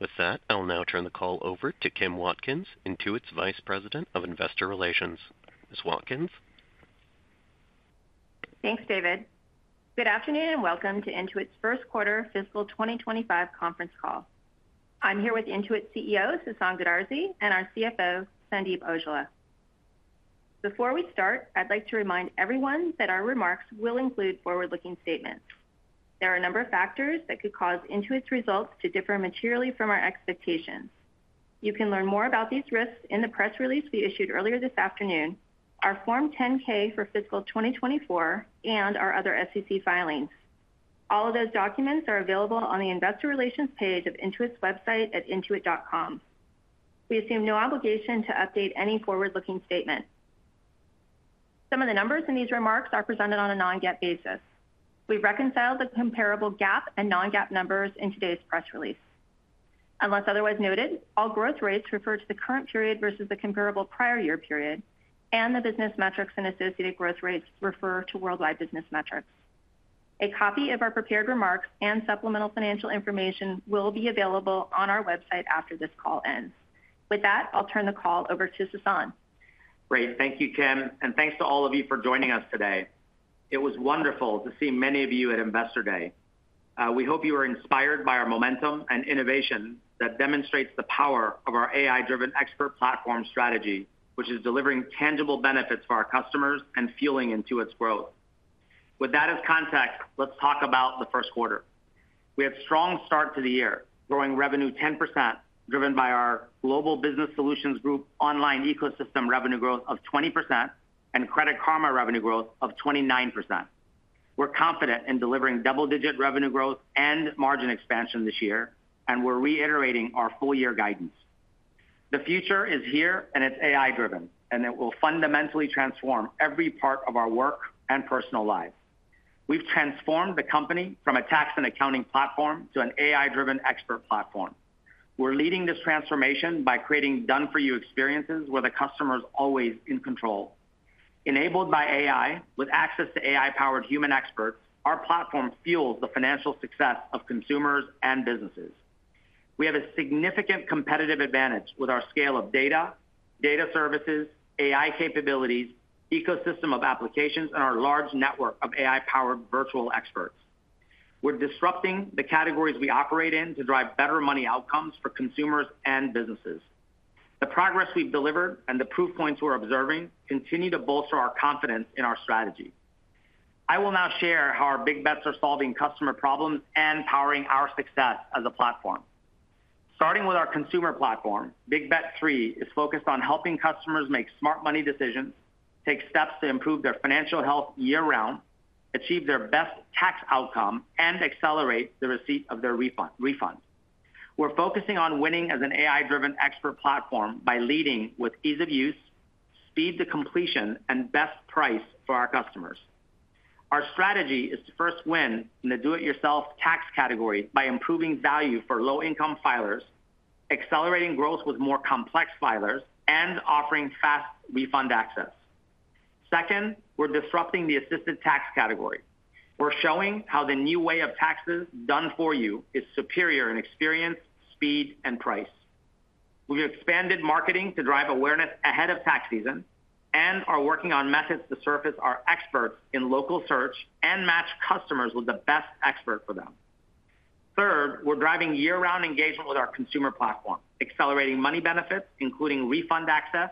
With that, I'll now turn the call over to Kim Watkins, Intuit's Vice President of Investor Relations. Ms. Watkins. Thanks David. Good afternoon and welcome to Intuit's first quarter fiscal 2025 conference call. I'm here with Intuit CEO Sasan Goodarzi and our CFO Sandeep Aujla. Before we start, I'd like to remind everyone that our remarks will include forward-looking statements. There are a number of factors that could cause Intuit's results to differ materially from our expectations. You can learn more about these risks in the press release we issued earlier this afternoon, our Form 10-K for fiscal 2024, and our other SEC filings. All of those documents are available on the Investor Relations page of Intuit's website at intuit.com. We assume no obligation to update any forward-looking statement. Some of the numbers in these remarks are presented on a non-GAAP basis. We've reconciled the comparable GAAP and non-GAAP numbers in today's press release. Unless otherwise noted, all growth rates refer to the current period versus the comparable prior year period, and the business metrics and associated growth rates refer to worldwide business metrics. A copy of our prepared remarks and supplemental financial information will be available on our website after this call ends. With that, I'll turn the call over to Sasan. Great. Thank you, Kim, and thanks to all of you for joining us today. It was wonderful to see many of you at Investor Day. We hope you were inspired by our momentum and innovation that demonstrates the power of our AI-Driven Expert Platform strategy, which is delivering tangible benefits for our customers and fueling Intuit's growth. With that as context, let's talk about the first quarter. We had a strong start to the year, growing revenue 10%, driven by our Global Business Solutions Group online ecosystem revenue growth of 20% and Credit Karma revenue growth of 29%. We're confident in delivering double-digit revenue growth and margin expansion this year, and we're reiterating our full-year guidance. The future is here, and it's AI-driven, and it will fundamentally transform every part of our work and personal lives. We've transformed the company from a tax and accounting platform to an AI-Driven Expert Platform. We're leading this transformation by creating done-for-you experiences where the customer is always in control. Enabled by AI, with access to AI-powered human experts, our platform fuels the financial success of consumers and businesses. We have a significant competitive advantage with our scale of data, data services, AI capabilities, ecosystem of applications, and our large network of AI-powered virtual experts. We're disrupting the categories we operate in to drive better money outcomes for consumers and businesses. The progress we've delivered and the proof points we're observing continue to bolster our confidence in our strategy. I will now share how our Big Bets are solving customer problems and powering our success as a platform. Starting with our consumer platform, Big Bet 3 is focused on helping customers make smart money decisions, take steps to improve their financial health year-round, achieve their best tax outcome, and accelerate the receipt of their refunds. We're focusing on winning as an AI-driven expert platform by leading with ease of use, speed to completion, and best price for our customers. Our strategy is to first win in the do-it-yourself tax category by improving value for low-income filers, accelerating growth with more complex filers, and offering fast refund access. Second, we're disrupting the assisted tax category. We're showing how the new way of taxes done for you is superior in experience, speed, and price. We've expanded marketing to drive awareness ahead of tax season and are working on methods to surface our experts in local search and match customers with the best expert for them. Third, we're driving year-round engagement with our consumer platform, accelerating money benefits, including refund access,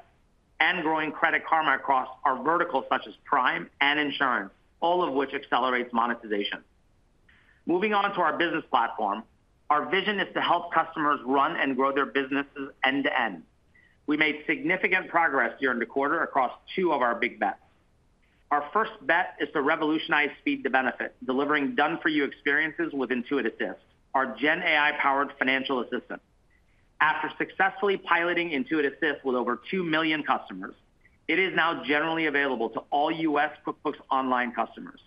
and growing Credit Karma across our verticals such as Prime and insurance, all of which accelerates monetization. Moving on to our business platform, our vision is to help customers run and grow their businesses end-to-end. We made significant progress during the quarter across two of our Big Bets. Our first bet is to revolutionize speed to benefit, delivering done-for-you experiences with Intuit Assist, our GenAI-powered financial assistant. After successfully piloting Intuit Assist with over 2 million customers, it is now generally available to all U.S. QuickBooks Online customers.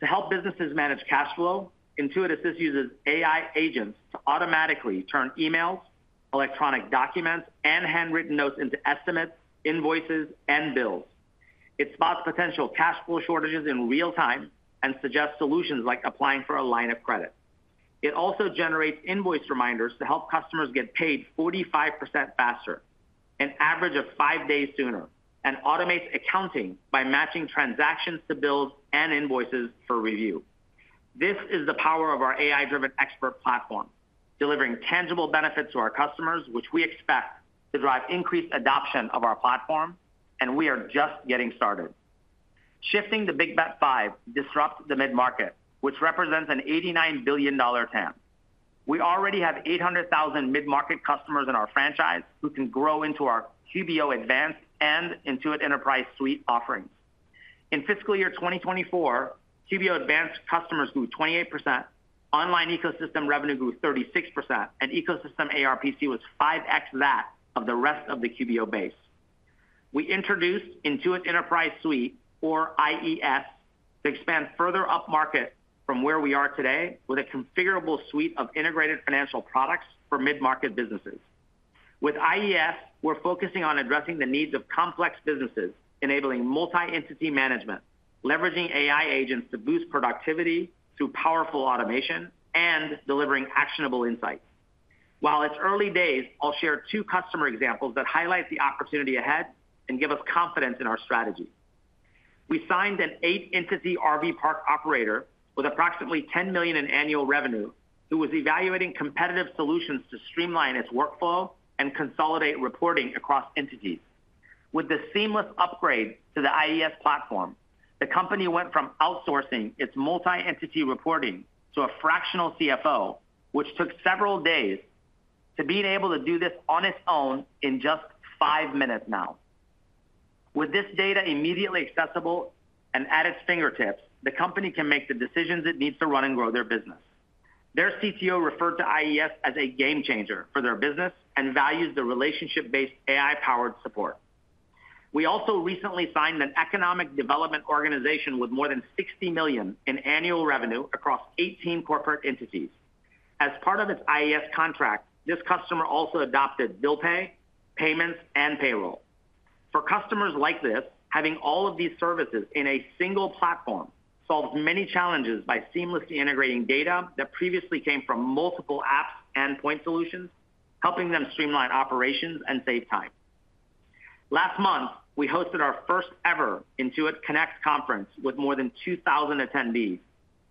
To help businesses manage cash flow, Intuit Assist uses AI agents to automatically turn emails, electronic documents, and handwritten notes into estimates, invoices, and bills. It spots potential cash flow shortages in real time and suggests solutions like applying for a line of credit. It also generates invoice reminders to help customers get paid 45% faster, an average of five days sooner, and automates accounting by matching transactions to bills and invoices for review. This is the power of our AI-driven expert platform, delivering tangible benefits to our customers, which we expect to drive increased adoption of our platform, and we are just getting started. Shifting the Big Bet 5 disrupts the mid-market, which represents an $89 billion TAM. We already have 800,000 mid-market customers in our franchise who can grow into our QBO Advanced and Intuit Enterprise Suite offerings. In fiscal year 2024, QBO Advanced customers grew 28%, online ecosystem revenue grew 36%, and ecosystem ARPC was 5X that of the rest of the QBO base. We introduced Intuit Enterprise Suite, or IES, to expand further up-market from where we are today with a configurable suite of integrated financial products for mid-market businesses. With IES, we're focusing on addressing the needs of complex businesses, enabling multi-entity management, leveraging AI agents to boost productivity through powerful automation, and delivering actionable insights. While it's early days, I'll share two customer examples that highlight the opportunity ahead and give us confidence in our strategy. We signed an eight-entity RV park operator with approximately $10 million in annual revenue who was evaluating competitive solutions to streamline its workflow and consolidate reporting across entities. With the seamless upgrade to the IES platform, the company went from outsourcing its multi-entity reporting to a fractional CFO, which took several days, to being able to do this on its own in just five minutes now. With this data immediately accessible and at its fingertips, the company can make the decisions it needs to run and grow their business. Their CTO referred to IES as a game changer for their business and values the relationship-based AI-powered support. We also recently signed an economic development organization with more than $60 million in annual revenue across 18 corporate entities. As part of its IES contract, this customer also adopted bill pay, payments, and payroll. For customers like this, having all of these services in a single platform solves many challenges by seamlessly integrating data that previously came from multiple apps and point solutions, helping them streamline operations and save time. Last month, we hosted our first-ever Intuit Connect conference with more than 2,000 attendees,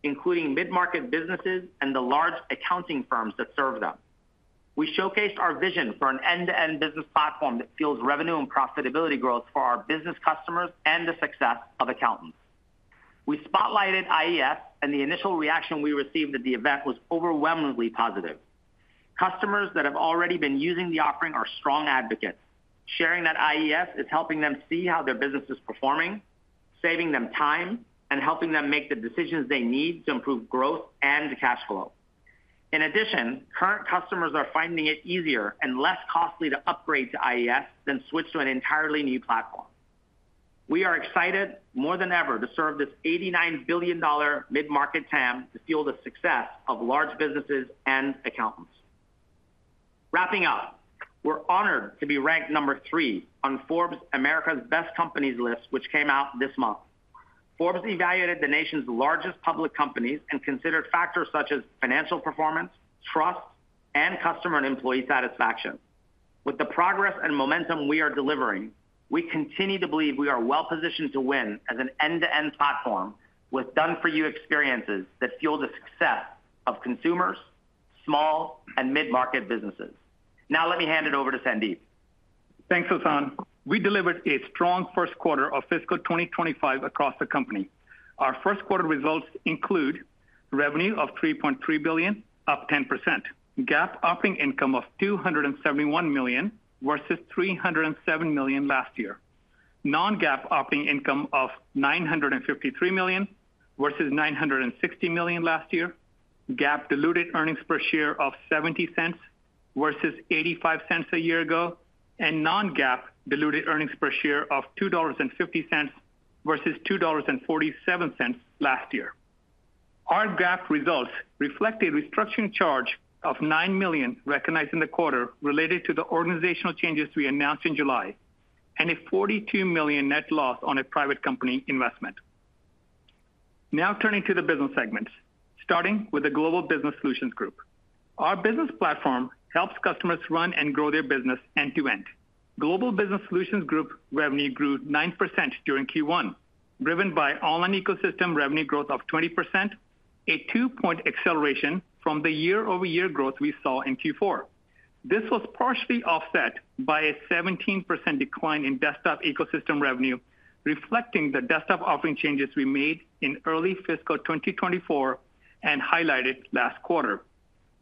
including mid-market businesses and the large accounting firms that serve them. We showcased our vision for an end-to-end business platform that fuels revenue and profitability growth for our business customers and the success of accountants. We spotlighted IES, and the initial reaction we received at the event was overwhelmingly positive. Customers that have already been using the offering are strong advocates, sharing that IES is helping them see how their business is performing, saving them time, and helping them make the decisions they need to improve growth and cash flow. In addition, current customers are finding it easier and less costly to upgrade to IES than switch to an entirely new platform. We are excited, more than ever, to serve this $89 billion mid-market TAM to fuel the success of large businesses and accountants. Wrapping up, we're honored to be ranked number three on Forbes' America's Best Companies list, which came out this month. Forbes evaluated the nation's largest public companies and considered factors such as financial performance, trust, and customer and employee satisfaction. With the progress and momentum we are delivering, we continue to believe we are well-positioned to win as an end-to-end platform with done-for-you experiences that fuel the success of consumers, small, and mid-market businesses. Now, let me hand it over to Sandeep. Thanks Sasan. We delivered a strong first quarter of fiscal 2025 across the company. Our first quarter results include revenue of $3.3 billion, up 10%, GAAP operating income of $271 million versus $307 million last year, non-GAAP operating income of $953 million versus $960 million last year, GAAP diluted earnings per share of $0.70 versus $0.85 a year ago, and non-GAAP diluted earnings per share of $2.50 versus $2.47 last year. Our GAAP results reflect a restructuring charge of $9 million recognized in the quarter related to the organizational changes we announced in July and a $42 million net loss on a private company investment. Now, turning to the business segments, starting with the Global Business Solutions Group. Our business platform helps customers run and grow their business end-to-end. Global Business Solutions Group revenue grew 9% during Q1, driven by online ecosystem revenue growth of 20%, a two-point acceleration from the year-over-year growth we saw in Q4. This was partially offset by a 17% decline in desktop ecosystem revenue, reflecting the desktop offering changes we made in early fiscal 2024 and highlighted last quarter.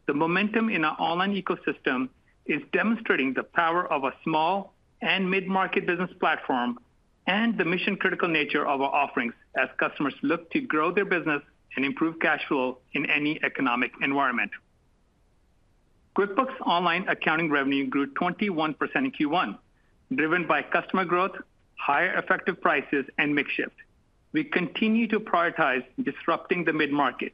The momentum in our online ecosystem is demonstrating the power of a small and mid-market business platform and the mission-critical nature of our offerings as customers look to grow their business and improve cash flow in any economic environment. QuickBooks Online accounting revenue grew 21% in Q1, driven by customer growth, higher effective prices, and mix shift. We continue to prioritize disrupting the mid-market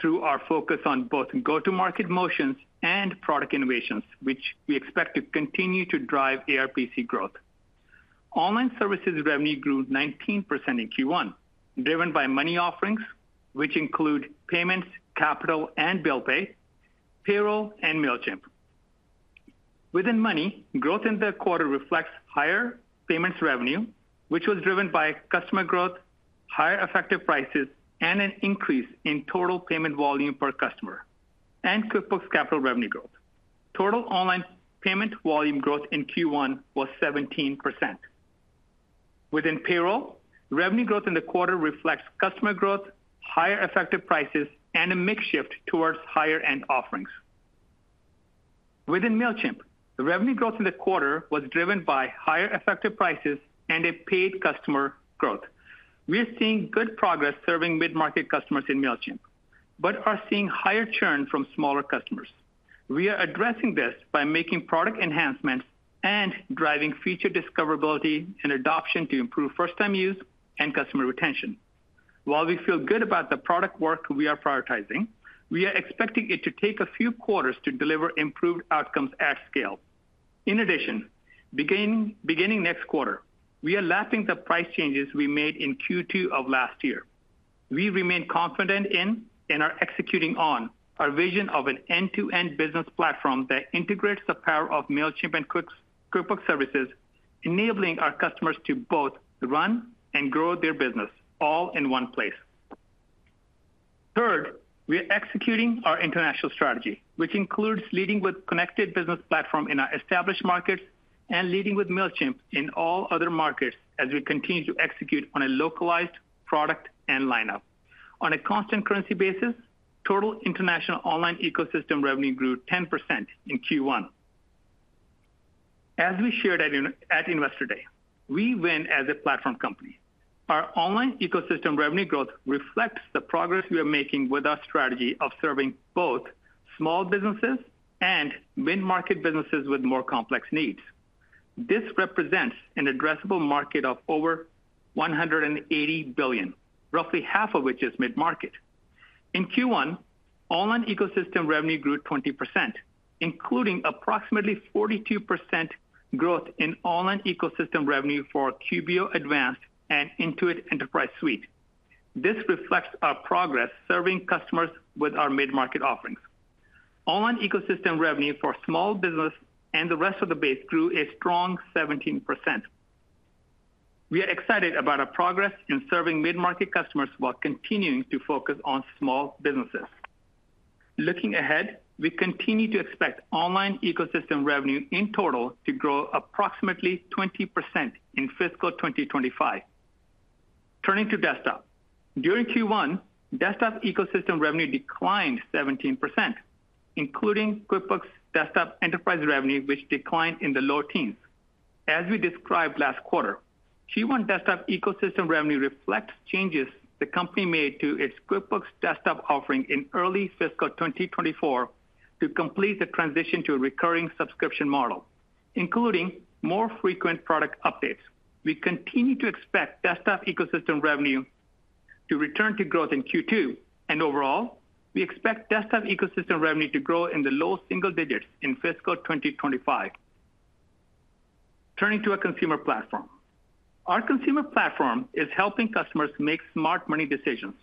through our focus on both go-to-market motions and product innovations, which we expect to continue to drive ARPC growth. Online services revenue grew 19% in Q1, driven by money offerings, which include payments, capital, and bill pay, payroll, and Mailchimp. Within money, growth in the quarter reflects higher payments revenue, which was driven by customer growth, higher effective prices, and an increase in total payment volume per customer, and QuickBooks Capital revenue growth. Total online payment volume growth in Q1 was 17%. Within payroll, revenue growth in the quarter reflects customer growth, higher effective prices, and a mix shift towards higher-end offerings. Within Mailchimp, revenue growth in the quarter was driven by higher effective prices and paid customer growth. We're seeing good progress serving mid-market customers in Mailchimp, but are seeing higher churn from smaller customers. We are addressing this by making product enhancements and driving feature discoverability and adoption to improve first-time use and customer retention. While we feel good about the product work we are prioritizing, we are expecting it to take a few quarters to deliver improved outcomes at scale. In addition, beginning next quarter, we are lapping the price changes we made in Q2 of last year. We remain confident in and are executing on our vision of an end-to-end business platform that integrates the power of Mailchimp and QuickBooks services, enabling our customers to both run and grow their business all in one place. Third, we are executing our international strategy, which includes leading with a connected business platform in our established markets and leading with Mailchimp in all other markets as we continue to execute on a localized product and lineup. On a constant currency basis, total international online ecosystem revenue grew 10% in Q1. As we shared at Investor Day, we win as a platform company. Our online ecosystem revenue growth reflects the progress we are making with our strategy of serving both small businesses and mid-market businesses with more complex needs. This represents an addressable market of over $180 billion, roughly half of which is mid-market. In Q1, online ecosystem revenue grew 20%, including approximately 42% growth in online ecosystem revenue for QBO Advanced and Intuit Enterprise Suite. This reflects our progress serving customers with our mid-market offerings. Online ecosystem revenue for small business and the rest of the base grew a strong 17%. We are excited about our progress in serving mid-market customers while continuing to focus on small businesses. Looking ahead, we continue to expect online ecosystem revenue in total to grow approximately 20% in fiscal 2025. Turning to desktop, during Q1, desktop ecosystem revenue declined 17%, including QuickBooks Desktop Enterprise revenue, which declined in the low teens. As we described last quarter, Q1 desktop ecosystem revenue reflects changes the company made to its QuickBooks desktop offering in early fiscal 2024 to complete the transition to a recurring subscription model, including more frequent product updates. We continue to expect desktop ecosystem revenue to return to growth in Q2, and overall, we expect desktop ecosystem revenue to grow in the low single digits in fiscal 2025. Turning to a consumer platform, our consumer platform is helping customers make smart money decisions,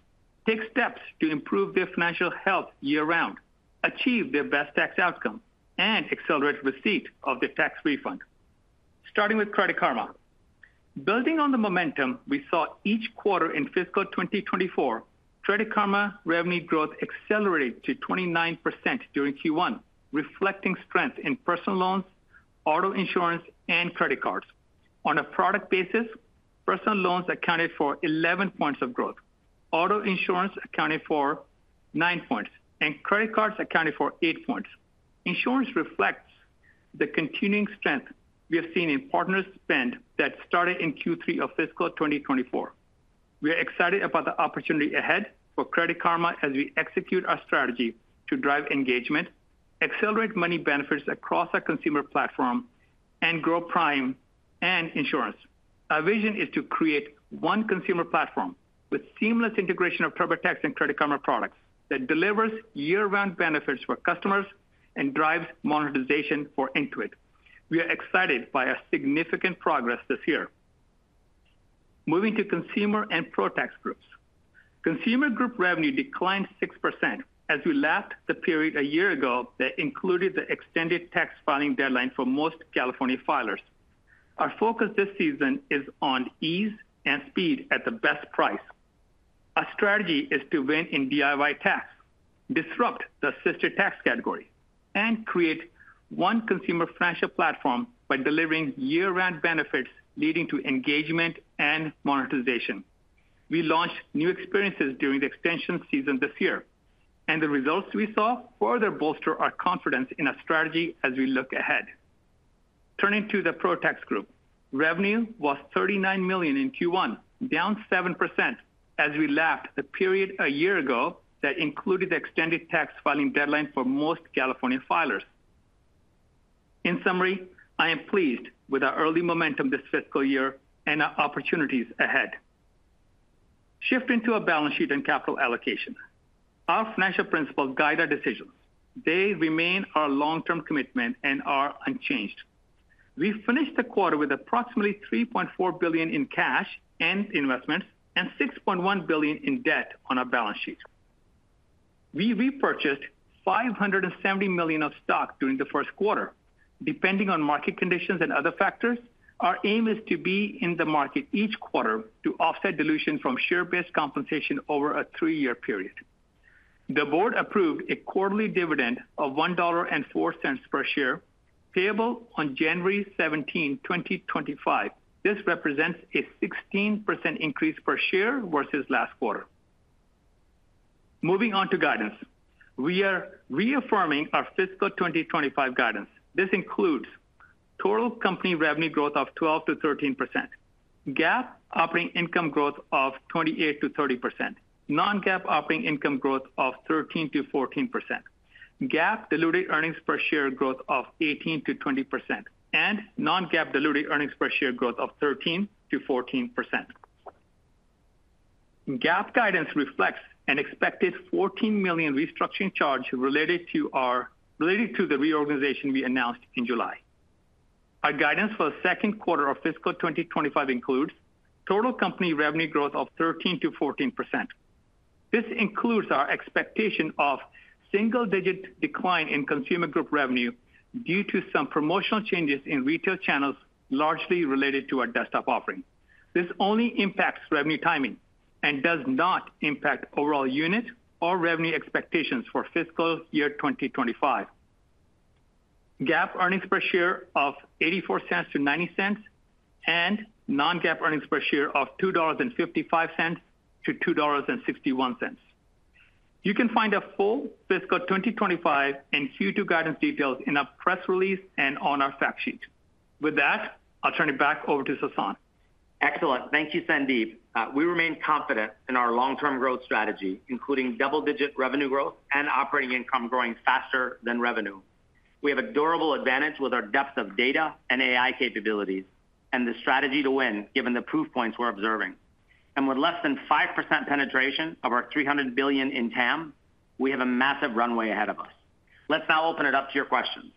take steps to improve their financial health year-round, achieve their best tax outcome, and accelerate receipt of their tax refund. Starting with Credit Karma, building on the momentum we saw each quarter in fiscal 2024, Credit Karma revenue growth accelerated to 29% during Q1, reflecting strength in personal loans, auto insurance, and credit cards. On a product basis, personal loans accounted for 11 points of growth, auto insurance accounted for 9 points, and credit cards accounted for 8 points. Insurance reflects the continuing strength we have seen in partners' spend that started in Q3 of fiscal 2024. We are excited about the opportunity ahead for Credit Karma as we execute our strategy to drive engagement, accelerate money benefits across our consumer platform, and grow prime and insurance. Our vision is to create one consumer platform with seamless integration of TurboTax and Credit Karma products that delivers year-round benefits for customers and drives monetization for Intuit. We are excited by our significant progress this year. Moving to Consumer and ProTax groups, Consumer Group revenue declined 6% as we lapped the period a year ago that included the extended tax filing deadline for most California filers. Our focus this season is on ease and speed at the best price. Our strategy is to win in DIY tax, disrupt the assisted tax category, and create one consumer financial platform by delivering year-round benefits leading to engagement and monetization. We launched new experiences during the extension season this year, and the results we saw further bolster our confidence in our strategy as we look ahead. Turning to the ProTax Group, revenue was $39 million in Q1, down 7% as we lapped the period a year ago that included the extended tax filing deadline for most California filers. In summary, I am pleased with our early momentum this fiscal year and our opportunities ahead. Shifting to a balance sheet and capital allocation, our financial principles guide our decisions. They remain our long-term commitment and are unchanged. We finished the quarter with approximately $3.4 billion in cash and investments and $6.1 billion in debt on our balance sheet. We repurchased $570 million of stock during the first quarter. Depending on market conditions and other factors, our aim is to be in the market each quarter to offset dilution from share-based compensation over a three-year period. The board approved a quarterly dividend of $1.04 per share payable on January 17, 2025. This represents a 16% increase per share versus last quarter. Moving on to guidance, we are reaffirming our fiscal 2025 guidance. This includes total company revenue growth of 12%-13%, GAAP operating income growth of 28%-30%, non-GAAP operating income growth of 13%-14%, GAAP diluted earnings per share growth of 18%-20%, and non-GAAP diluted earnings per share growth of 13%-14%. GAAP guidance reflects an expected $14 million restructuring charge related to the reorganization we announced in July. Our guidance for the second quarter of fiscal 2025 includes total company revenue growth of 13%-14%. This includes our expectation of single-digit decline in Consumer Group revenue due to some promotional changes in retail channels largely related to our desktop offering. This only impacts revenue timing and does not impact overall unit or revenue expectations for fiscal year 2025. GAAP earnings per share of $0.84-$0.90 and non-GAAP earnings per share of $2.55-$2.61. You can find a full fiscal 2025 and Q2 guidance details in our press release and on our fact sheet. With that, I'll turn it back over to Sasan. Excellent. Thank you Sandeep. We remain confident in our long-term growth strategy, including double-digit revenue growth and operating income growing faster than revenue. We have a durable advantage with our depth of data and AI capabilities and the strategy to win, given the proof points we're observing. And with less than 5% penetration of our $300 billion in TAM, we have a massive runway ahead of us. Let's now open it up to your questions.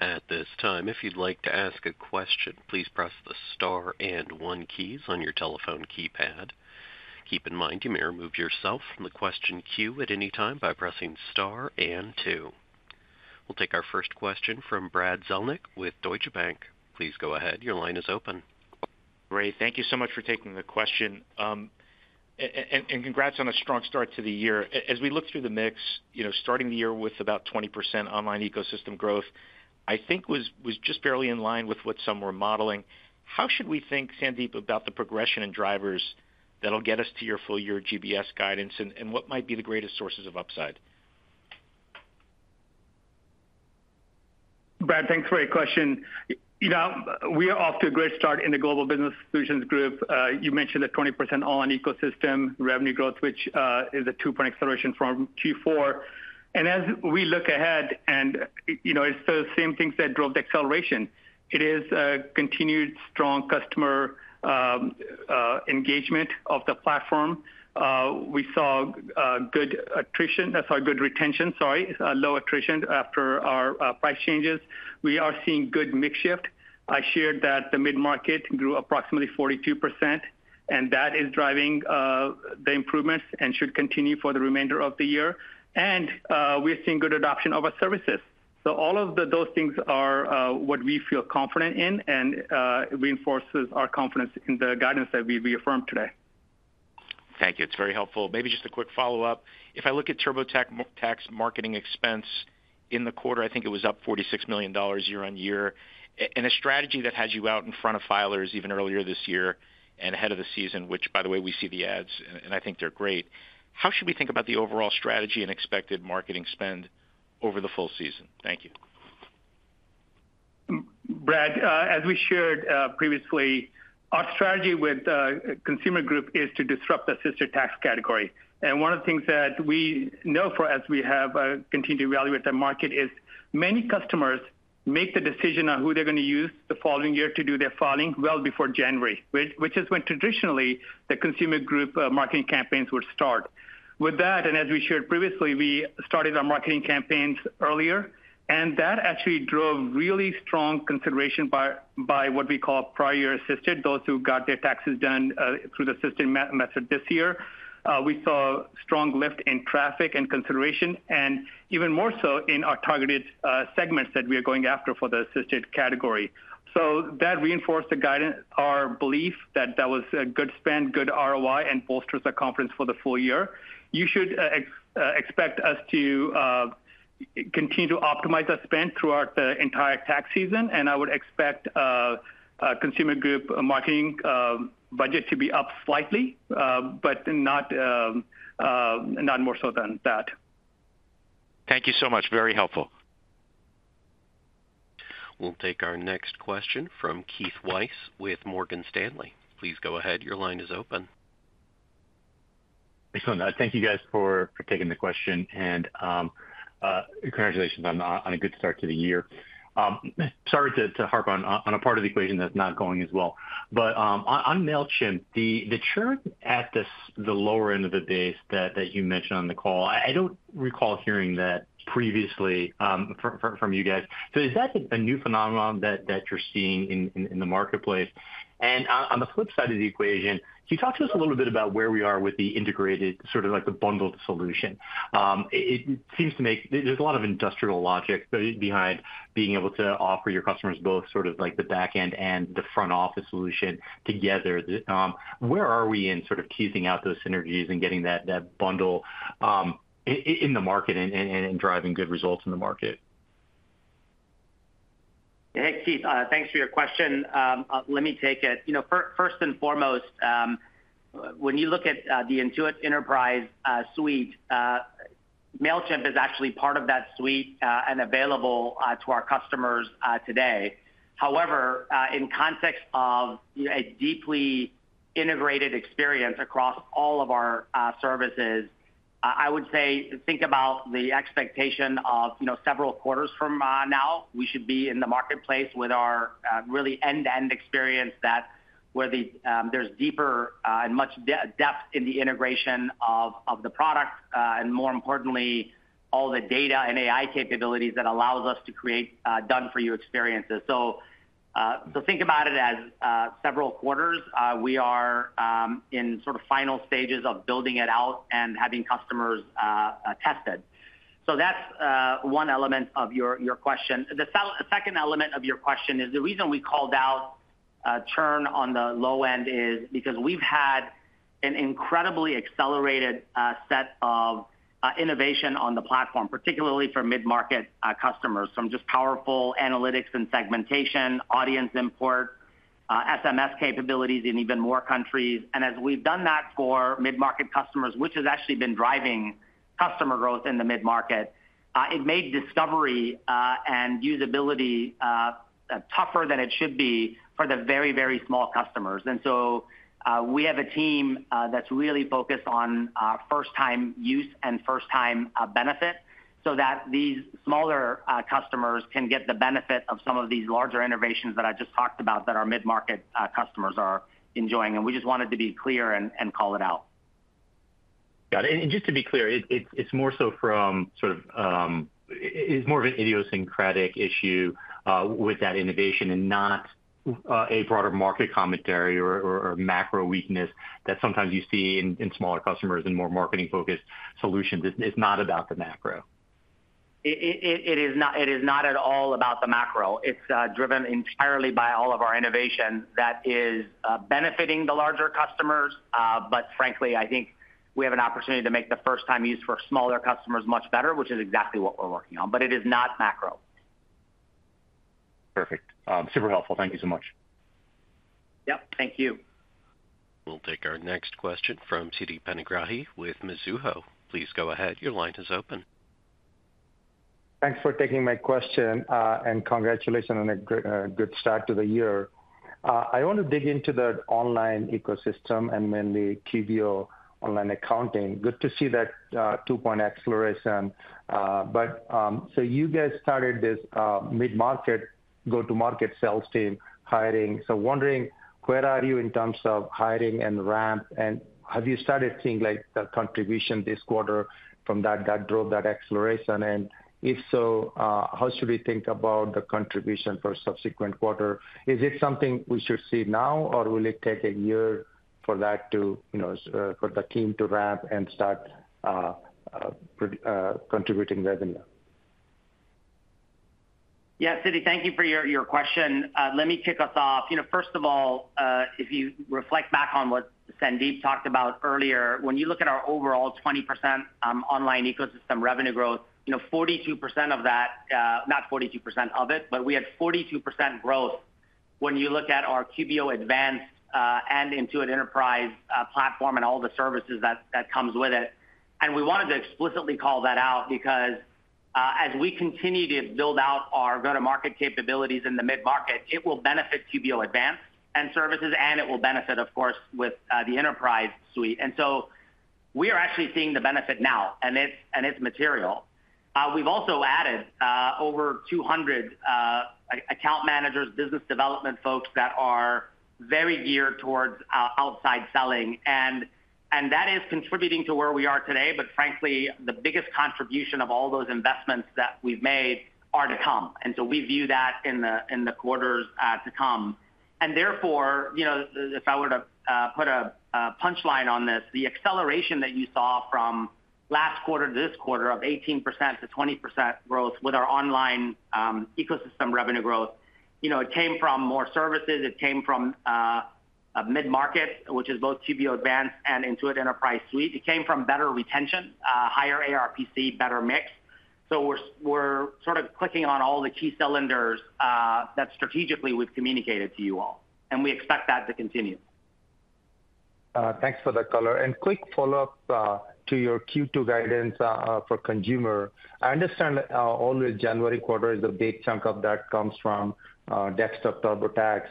At this time, if you'd like to ask a question, please press the star and one keys on your telephone keypad. Keep in mind, you may remove yourself from the question queue at any time by pressing star and two. We'll take our first question from Brad Zelnick with Deutsche Bank. Please go ahead. Your line is open. Great. Thank you so much for taking the question, and congrats on a strong start to the year. As we look through the mix, starting the year with about 20% online ecosystem growth, I think was just barely in line with what some were modeling. How should we think, Sandeep, about the progression and drivers that'll get us to your full-year GBS guidance, and what might be the greatest sources of upside? Brad, thanks for your question. We are off to a great start in the Global Business Solutions Group. You mentioned the 20% online ecosystem revenue growth, which is a two-point acceleration from Q4, and as we look ahead, it's the same things that drove the acceleration. It is continued strong customer engagement of the platform. We saw good attrition, sorry, good retention, sorry, low attrition after our price changes. We are seeing good mix shift. I shared that the mid-market grew approximately 42%, and that is driving the improvements and should continue for the remainder of the year, and we're seeing good adoption of our services, so all of those things are what we feel confident in and reinforces our confidence in the guidance that we reaffirmed today. Thank you. It's very helpful. Maybe just a quick follow-up. If I look at TurboTax marketing expense in the quarter, I think it was up $46 million year-on-year, and a strategy that has you out in front of filers even earlier this year and ahead of the season, which, by the way, we see the ads, and I think they're great. How should we think about the overall strategy and expected marketing spend over the full season? Thank you. Brad, as we shared previously, our strategy with the Consumer Group is to disrupt the assisted tax category, and one of the things that we know for as we have continued to evaluate the market is many customers make the decision on who they're going to use the following year to do their filing well before January, which is when traditionally the Consumer Group marketing campaigns would start. With that, and as we shared previously, we started our marketing campaigns earlier, and that actually drove really strong consideration by what we call prior-year assisted, those who got their taxes done through the assisted method this year. We saw a strong lift in traffic and consideration, and even more so in our targeted segments that we are going after for the assisted category. So that reinforced our belief that that was a good spend, good ROI, and bolsters our confidence for the full-year. You should expect us to continue to optimize our spend throughout the entire tax season, and I would expect Consumer Group marketing budget to be up slightly, but not more so than that. Thank you so much. Very helpful. We'll take our next question from Keith Weiss with Morgan Stanley. Please go ahead. Your line is open. Excellent. Thank you, guys, for taking the question, and congratulations on a good start to the year. Sorry to harp on a part of the equation that's not going as well. But on Mailchimp, the churn at the lower end of the base that you mentioned on the call, I don't recall hearing that previously from you guys. So is that a new phenomenon that you're seeing in the marketplace? And on the flip side of the equation, can you talk to us a little bit about where we are with the integrated, sort of like the bundled solution? It seems to me there's a lot of industrial logic behind being able to offer your customers both sort of like the backend and the front-office solution together. Where are we in sort of teasing out those synergies and getting that bundle in the market and driving good results in the market? Hey, Keith, thanks for your question. Let me take it. First and foremost, when you look at the Intuit Enterprise Suite, Mailchimp is actually part of that suite and available to our customers today. However, in context of a deeply integrated experience across all of our services, I would say think about the expectation of several quarters from now. We should be in the marketplace with our really end-to-end experience that where there's deeper and much depth in the integration of the product and, more importantly, all the data and AI capabilities that allows us to create done-for-you experiences. So think about it as several quarters. We are in sort of final stages of building it out and having customers tested. So that's one element of your question. The second element of your question is the reason we called out churn on the low end is because we've had an incredibly accelerated set of innovation on the platform, particularly for mid-market customers from just powerful analytics and segmentation, audience import, SMS capabilities in even more countries. And as we've done that for mid-market customers, which has actually been driving customer growth in the mid-market, it made discovery and usability tougher than it should be for the very, very small customers. And so we have a team that's really focused on first-time use and first-time benefit so that these smaller customers can get the benefit of some of these larger innovations that I just talked about that our mid-market customers are enjoying. And we just wanted to be clear and call it out. Got it. And just to be clear, it's more so from sort of it's more of an idiosyncratic issue with that innovation and not a broader market commentary or macro weakness that sometimes you see in smaller customers and more marketing-focused solutions. It's not about the macro. It is not at all about the macro. It's driven entirely by all of our innovation that is benefiting the larger customers. But frankly, I think we have an opportunity to make the first-time use for smaller customers much better, which is exactly what we're working on. But it is not macro. Perfect. Super helpful. Thank you so much. Yep. Thank you. We'll take our next question from Siti Panigrahi with Mizuho. Please go ahead. Your line is open. Thanks for taking my question and congratulations on a good start to the year. I want to dig into the online ecosystem and mainly QuickBooks Online accounting. Good to see that two-point acceleration. But so you guys started this mid-market, go-to-market sales team hiring. So wondering where are you in terms of hiring and ramp? And have you started seeing the contribution this quarter from that drove that acceleration? And if so, how should we think about the contribution for subsequent quarter? Is it something we should see now, or will it take a year for that to the team to ramp and start contributing revenue? Yeah, Siti, thank you for your question. Let me kick us off. First of all, if you reflect back on what Sandeep talked about earlier, when you look at our overall 20% online ecosystem revenue growth, 42% of that, not 42% of it, but we had 42% growth when you look at our QuickBooks Online Advanced and Intuit Enterprise Suite and all the services that comes with it. And we wanted to explicitly call that out because as we continue to build out our go-to-market capabilities in the mid-market, it will benefit QuickBooks Online Advanced and services, and it will benefit, of course, the Enterprise suite. And so we are actually seeing the benefit now, and it's material. We've also added over 200 account managers, business development folks that are very geared towards outside selling. And that is contributing to where we are today. But frankly, the biggest contribution of all those investments that we've made are to come. And so we view that in the quarters to come. And therefore, if I were to put a punchline on this, the acceleration that you saw from last quarter to this quarter of 18%-20% growth with our online ecosystem revenue growth, it came from more services. It came from mid-market, which is both QBO Advanced and Intuit Enterprise Suite. It came from better retention, higher ARPC, better mix. So we're sort of clicking on all the key cylinders that strategically we've communicated to you all. And we expect that to continue. Thanks for the color, and quick follow-up to your Q2 guidance for consumer. I understand all the January quarter is a big chunk of that comes from desktop TurboTax.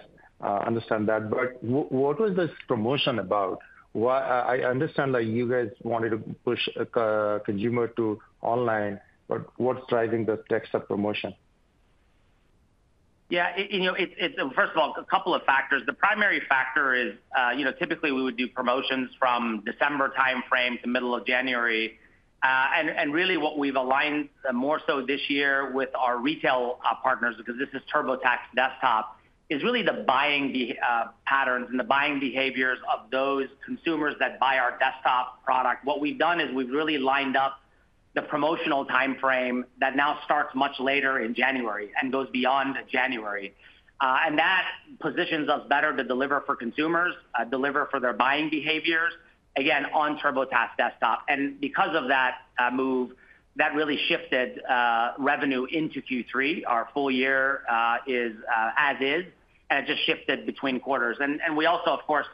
Understand that, but what was this promotion about? I understand that you guys wanted to push consumer to online, but what's driving this desktop promotion? Yeah. First of all, a couple of factors. The primary factor is typically we would do promotions from December timeframe to middle of January. And really what we've aligned more so this year with our retail partners, because this is TurboTax Desktop, is really the buying patterns and the buying behaviors of those consumers that buy our desktop product. What we've done is we've really lined up the promotional timeframe that now starts much later in January and goes beyond January. And that positions us better to deliver for consumers, deliver for their buying behaviors, again, on TurboTax Desktop. And because of that move, that really shifted revenue into Q3. Our full year is as is, and it just shifted between quarters. And we also, of course,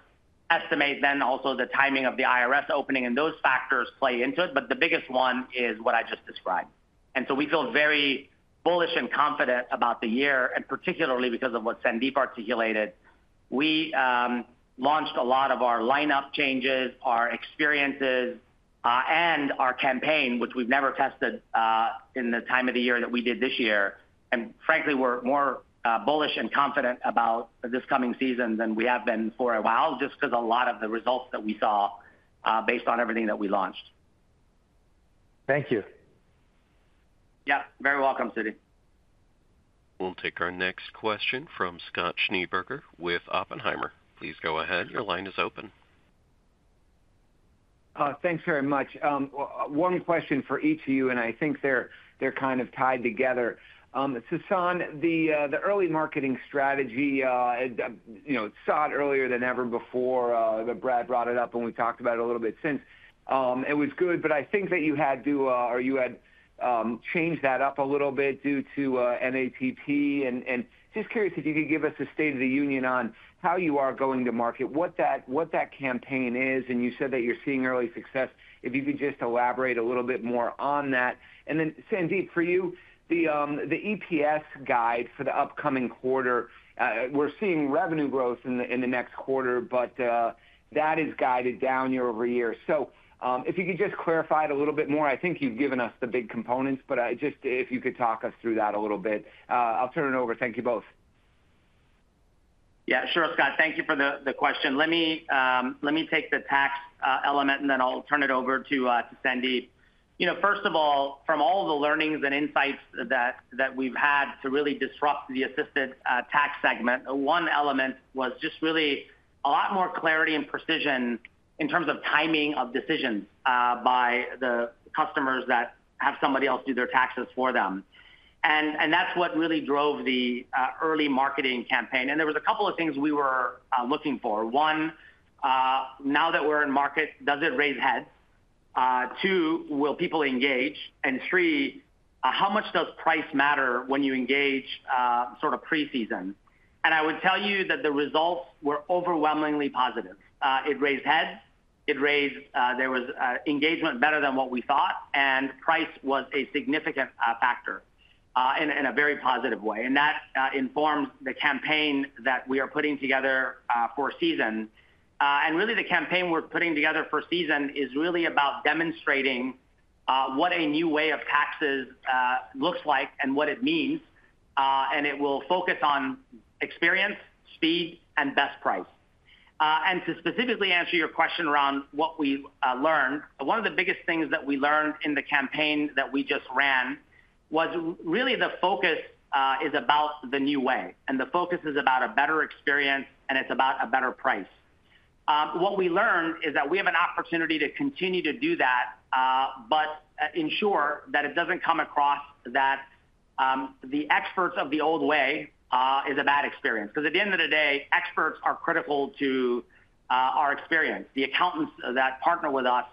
estimate then also the timing of the IRS opening, and those factors play into it. But the biggest one is what I just described. And so we feel very bullish and confident about the year, and particularly because of what Sandeep articulated. We launched a lot of our lineup changes, our experiences, and our campaign, which we've never tested in the time of the year that we did this year. And frankly, we're more bullish and confident about this coming season than we have been for a while, just because a lot of the results that we saw based on everything that we launched. Thank you. Yeah. Very welcome, Siti. We'll take our next question from Scott Schneeberger with Oppenheimer. Please go ahead. Your line is open. Thanks very much. One question for each of you, and I think they're kind of tied together. Sasan, the early marketing strategy saw it earlier than ever before. Brad brought it up, and we've talked about it a little bit since. It was good, but I think that you had to or you had changed that up a little bit due to NATP. And just curious if you could give us a state of the union on how you are going to market, what that campaign is. And you said that you're seeing early success. If you could just elaborate a little bit more on that. And then, Sandeep, for you, the EPS guide for the upcoming quarter, we're seeing revenue growth in the next quarter, but that is guided down year over year. So if you could just clarify it a little bit more. I think you've given us the big components, but just if you could talk us through that a little bit. I'll turn it over. Thank you both. Yeah. Sure, Scott. Thank you for the question. Let me take the tax element, and then I'll turn it over to Sandeep. First of all, from all the learnings and insights that we've had to really disrupt the assisted tax segment, one element was just really a lot more clarity and precision in terms of timing of decisions by the customers that have somebody else do their taxes for them, and that's what really drove the early marketing campaign, and there was a couple of things we were looking for. One, now that we're in market, does it raise heads? Two, will people engage? and three, how much does price matter when you engage sort of pre-season, and I would tell you that the results were overwhelmingly positive. It raised heads. There was engagement better than what we thought, and price was a significant factor in a very positive way. That informs the campaign that we are putting together for season. Really, the campaign we're putting together for season is really about demonstrating what a new way of taxes looks like and what it means. It will focus on experience, speed, and best price. To specifically answer your question around what we learned, one of the biggest things that we learned in the campaign that we just ran was really the focus is about the new way. The focus is about a better experience, and it's about a better price. What we learned is that we have an opportunity to continue to do that, but ensure that it doesn't come across that the experts of the old way is a bad experience. Because at the end of the day, experts are critical to our experience. The accountants that partner with us,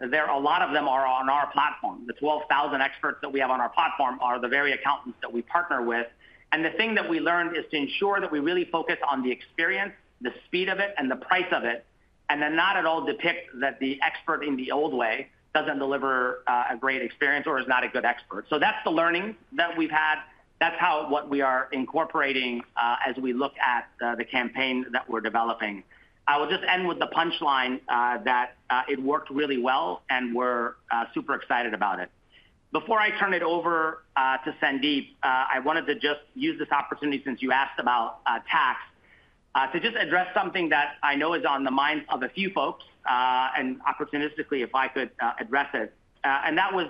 a lot of them are on our platform. The 12,000 experts that we have on our platform are the very accountants that we partner with. And the thing that we learned is to ensure that we really focus on the experience, the speed of it, and the price of it, and then not at all depict that the expert in the old way doesn't deliver a great experience or is not a good expert. So that's the learning that we've had. That's what we are incorporating as we look at the campaign that we're developing. I will just end with the punchline that it worked really well, and we're super excited about it. Before I turn it over to Sandeep, I wanted to just use this opportunity since you asked about tax to just address something that I know is on the minds of a few folks, and opportunistically, if I could address it. And that was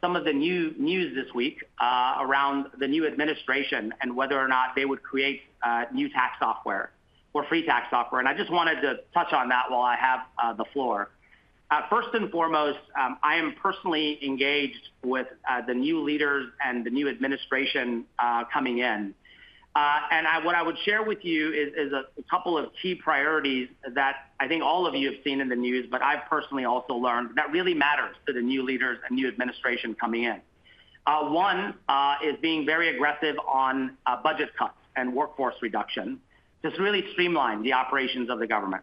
some of the news this week around the new administration and whether or not they would create new tax software or free tax software. And I just wanted to touch on that while I have the floor. First and foremost, I am personally engaged with the new leaders and the new administration coming in. And what I would share with you is a couple of key priorities that I think all of you have seen in the news, but I've personally also learned that really matter to the new leaders and new administration coming in. One is being very aggressive on budget cuts and workforce reduction to really streamline the operations of the government.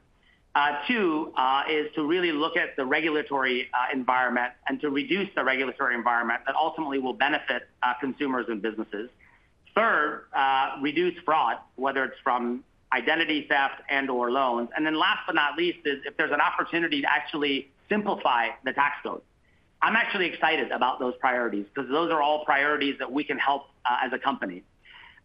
Two is to really look at the regulatory environment and to reduce the regulatory environment that ultimately will benefit consumers and businesses. Third, reduce fraud, whether it's from identity theft and/or loans. And then last but not least, if there's an opportunity to actually simplify the tax code. I'm actually excited about those priorities because those are all priorities that we can help as a company.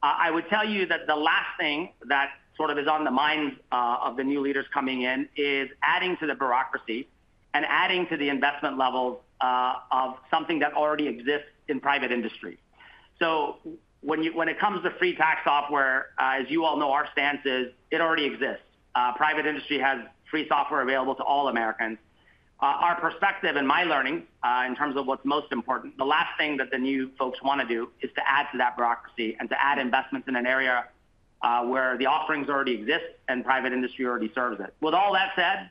I would tell you that the last thing that sort of is on the minds of the new leaders coming in is adding to the bureaucracy and adding to the investment levels of something that already exists in private industry. So when it comes to free tax software, as you all know, our stance is it already exists. Private industry has free software available to all Americans. Our perspective and my learning in terms of what's most important, the last thing that the new folks want to do is to add to that bureaucracy and to add investments in an area where the offerings already exist and private industry already serves it. With all that said,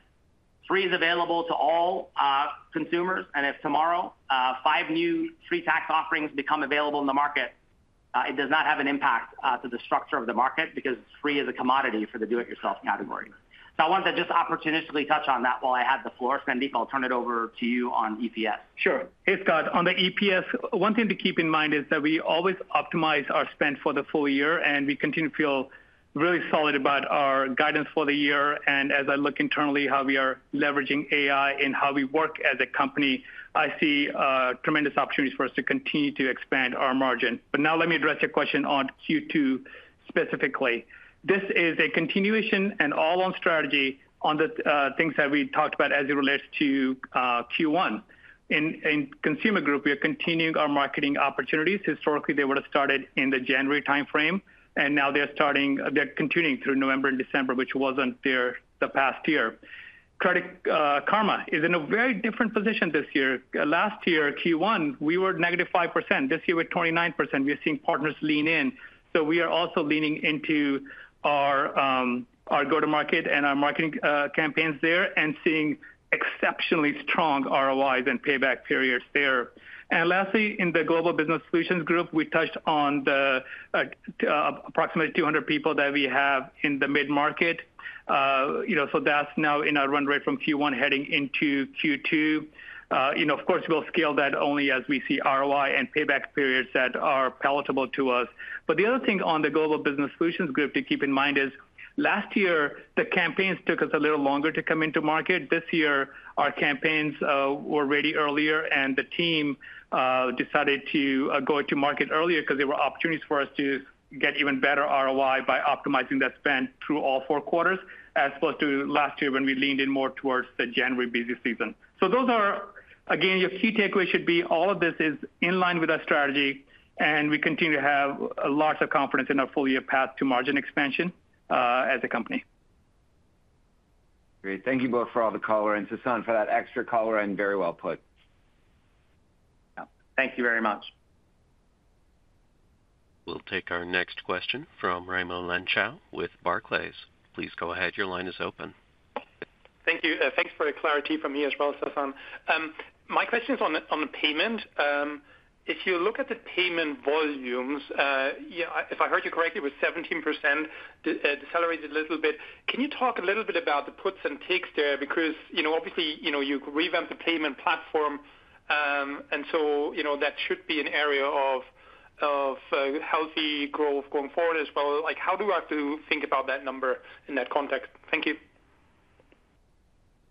free is available to all consumers. And if tomorrow five new free tax offerings become available in the market, it does not have an impact to the structure of the market because free is a commodity for the do-it-yourself category. So I wanted to just opportunistically touch on that while I had the floor. Sandeep, I'll turn it over to you on EPS. Sure. Hey, Scott. On the EPS, one thing to keep in mind is that we always optimize our spend for the full year, and we continue to feel really solid about our guidance for the year. And as I look internally how we are leveraging AI and how we work as a company, I see tremendous opportunities for us to continue to expand our margin. But now let me address your question on Q2 specifically. This is a continuation and all-in strategy on the things that we talked about as it relates to Q1. In Consumer Group, we are continuing our marketing opportunities. Historically, they would have started in the January timeframe, and now they're continuing through November and December, which wasn't there the past year. Credit Karma is in a very different position this year. Last year, Q1, we were negative 5%. This year, we're 29%. We are seeing partners lean in. So we are also leaning into our go-to-market and our marketing campaigns there and seeing exceptionally strong ROIs and payback periods there. And lastly, in the Global Business Solutions Group, we touched on the approximately 200 people that we have in the mid-market. So that's now in our run rate from Q1 heading into Q2. Of course, we'll scale that only as we see ROI and payback periods that are palatable to us. But the other thing on the Global Business Solutions Group to keep in mind is last year, the campaigns took us a little longer to come into market. This year, our campaigns were ready earlier, and the team decided to go to market earlier because there were opportunities for us to get even better ROI by optimizing that spend through all four quarters as opposed to last year when we leaned in more towards the January busy season, so those are, again, your key takeaway should be all of this is in line with our strategy, and we continue to have lots of confidence in our full year path to margin expansion as a company. Great. Thank you both for all the color and Sasan for that extra color and very well put. Thank you very much. We'll take our next question from Raimo Lenschow with Barclays. Please go ahead. Your line is open. Thank you. Thanks for the clarity from me as well, Sasan. My question is on the payment. If you look at the payment volumes, if I heard you correctly, it was 17%. It decelerated a little bit. Can you talk a little bit about the puts and takes there? Because obviously, you revamped the payment platform, and so that should be an area of healthy growth going forward as well. How do I have to think about that number in that context? Thank you.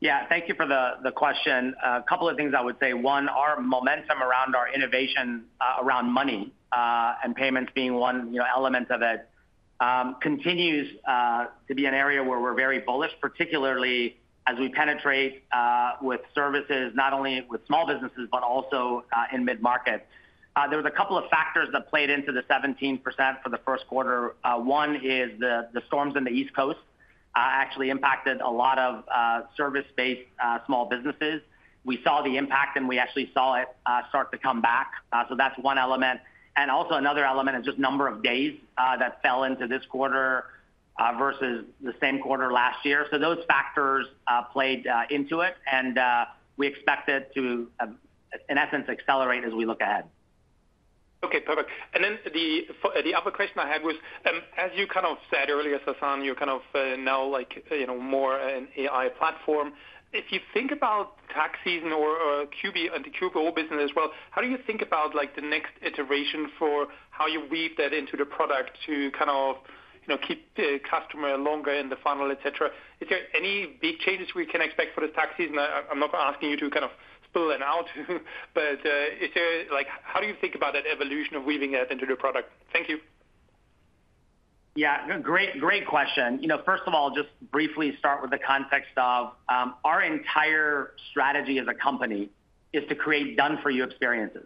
Yeah. Thank you for the question. A couple of things I would say. One, our momentum around our innovation around money and payments being one element of it continues to be an area where we're very bullish, particularly as we penetrate with services not only with small businesses, but also in mid-market. There were a couple of factors that played into the 17% for the first quarter. One is the storms in the East Coast actually impacted a lot of service-based small businesses. We saw the impact, and we actually saw it start to come back. So that's one element. And also another element is just number of days that fell into this quarter versus the same quarter last year. So those factors played into it, and we expect it to, in essence, accelerate as we look ahead. Okay. Perfect. And then the other question I had was, as you kind of said earlier, Sasan, you're kind of now more an AI platform. If you think about tax season or the Q4 business as well, how do you think about the next iteration for how you weave that into the product to kind of keep the customer longer in the funnel, etc.? Is there any big changes we can expect for the tax season? I'm not asking you to kind of spell it out, but how do you think about that evolution of weaving that into the product? Thank you. Yeah. Great question. First of all, just briefly start with the context of our entire strategy as a company is to create done-for-you experiences.